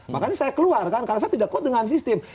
makanya saya keluar kan karena saya tidak kuat dengan sistem